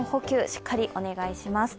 しっかりお願いします。